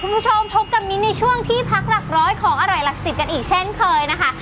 คุณผู้ชมพบกับมิ้นในช่วงที่พักหลักร้อยของอร่อยหลักสิบกันอีกเช่นเคยนะคะ